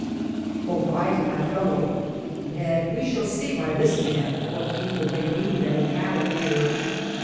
Cothe I to my fellow: Nede, we shall see by this man what people they be that inhabit heare.